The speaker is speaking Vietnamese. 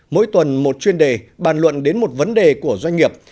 mỗi tuần một chuyên đề bàn luận đến một vấn đề của doanh nghiệp